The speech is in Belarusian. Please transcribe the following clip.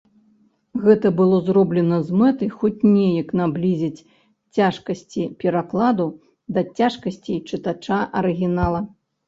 Гэта было зроблена з мэтай хоць неяк наблізіць цяжкасці перакладу да цяжкасцей чытача арыгінала.